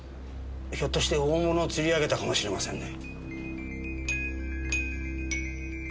ひょっとして大物を釣り上げたかもしれませんね。